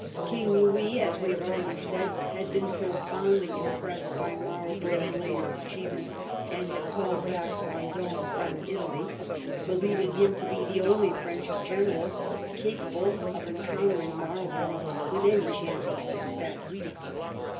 King Louis, as we have already said, had been profoundly impressed by Marlborough's latest achievements, and had called back Vendome from Italy, believing him to be the only French general capable of encountering Marlborough with any chance of success.